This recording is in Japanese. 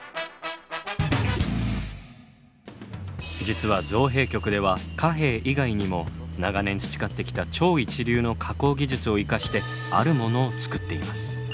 実は造幣局では貨幣以外にも長年培ってきた超一流の加工技術を生かしてあるものを造っています。